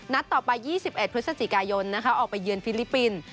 ต่อไป๒๑พฤศจิกายนออกไปเยือนฟิลิปปินส์